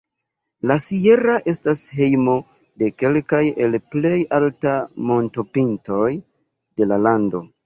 La "sierra" estas hejmo de kelkaj el la plej altaj montopintoj de la lando.